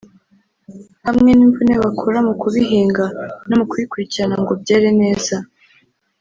hamwe n’imvune bakura mu kubihinga no mu kubikurikirana ngo byere neza